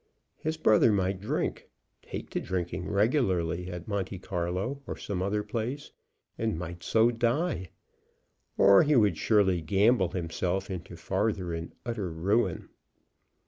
His brother might drink, take to drinking regularly at Monte Carlo or some other place, and might so die. Or he would surely gamble himself into farther and utter ruin.